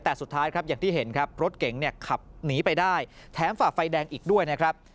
แต่สุดท้ายครับอย่างที่เห็นครับรถเก๋งเนี่ยขับหนีไปได้แถมฝ่าไฟแดงอีกด้วยนะครับ